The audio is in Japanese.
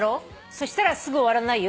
そしたらすぐ終わらないよ。